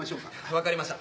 分かりました。